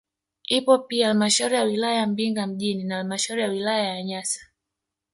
Ipo pia halmashauri ya wilaya Mbinga mjini na halmashauri ya wilaya ya Nyasa